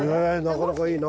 なかなかいい。